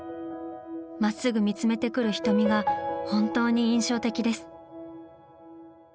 まっすぐ見つめてくる瞳が本当に印象的です。